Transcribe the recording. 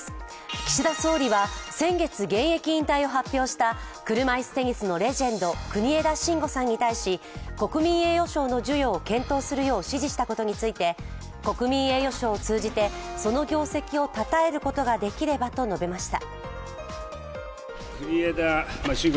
岸田総理は先月、現役引退を発表した車いすテニスのレジェンド国枝慎吾さんに対し、国民栄誉賞の授与を検討するよう指示したことについて国民栄誉賞を通じて、その業績をたたえることができればと述べました。